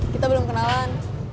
kita belum kenalan